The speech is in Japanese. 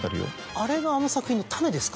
あれがあの作品の種ですか？